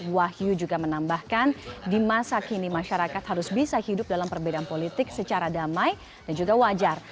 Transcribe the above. wahyu juga menambahkan di masa kini masyarakat harus bisa hidup dalam perbedaan politik secara damai dan juga wajar